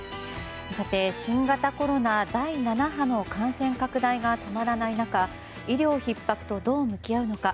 さて、新型コロナ第７波の感染拡大が止まらない中医療ひっ迫とどう向き合うのか。